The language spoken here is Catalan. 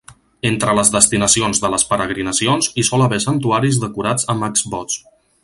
Entre les destinacions de les peregrinacions hi sol haver santuaris decorats amb exvots.